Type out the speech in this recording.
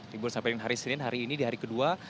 libur sampai dengan hari senin hari ini di hari kedua